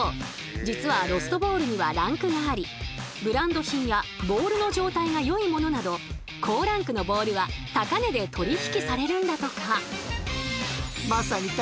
実はロストボールにはランクがありブランド品やボールの状態がよいものなど高ランクのボールは高値で取り引きされるんだとか。